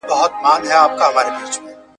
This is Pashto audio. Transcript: زه د هغه ښار لیدلو ته یم تږی `